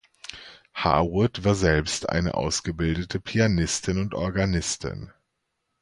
Harwood war selbst eine ausgebildete Pianistin und Organistin.